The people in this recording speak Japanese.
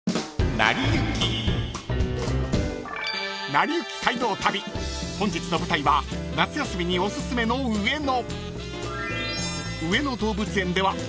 ［『なりゆき街道旅』本日の舞台は夏休みにおすすめの上野］